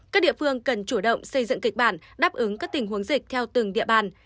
các địa phương cần chủ động xây dựng kịch bản đáp ứng các tình huống dịch theo từng địa bàn